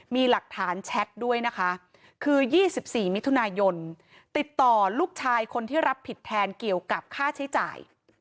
มีหลักฐานแชทด้วยนะคะคือ๒๔มิถุนายนติดต่อลูกชายคนที่รับผิดแทนเกี่ยวกับค่าใช้จ่าย